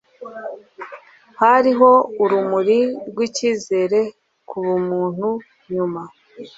Hariho urumuri rwicyizere kubumuntu nyuma.